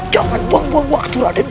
jangan buang buang waktu ada